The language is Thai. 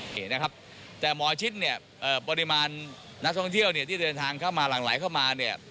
โปรดิมาลนักท่องเที่ยวที่เดินทางข้างมาหลังไหลเข้ามา